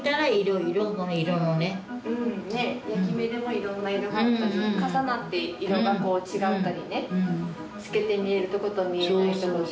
・焼き目でもいろんな色があったり重なって色が違ったりね透けて見えるとこと見えないとこと。